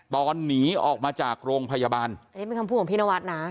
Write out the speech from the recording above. หนีออกมาจากโรงพยาบาลอันนี้เป็นคำพูดของพี่นวัดนะ